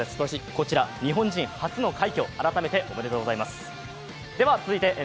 こちら日本人初の快挙、改めておめでとうございます。